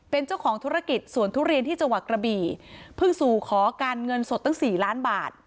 เป็นเจ้าของธุรกิจสวนทุเรียนที่จังหวัดกระบี่เพิ่งสู่ขอการเงินสดตั้งสี่ล้านบาท